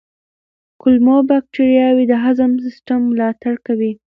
کولمو بکتریاوې د هضم سیستم ملاتړ کوي.